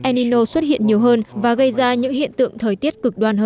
enino xuất hiện nhiều hơn và gây ra những hiện tượng thời tiết cực đoan hơn